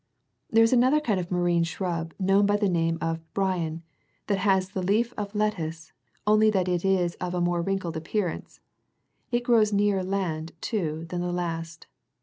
There is another kind of marine shrub, known by the name of " bryon ;" 44 it has the leaf of the lettuce, only that it is of a more wrinkled appearance; it grows nearer land, too, than the last.